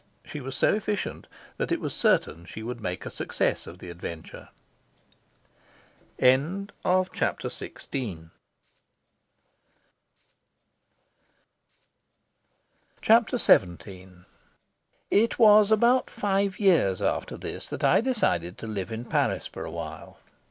She was so efficient that it was certain she would make a success of the adventure. Chapter XVII It was about five years after this that I decided to live in Paris for a while.